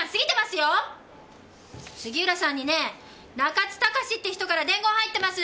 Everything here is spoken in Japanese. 杉浦さんにねぇ中津隆志って人から伝言入ってます！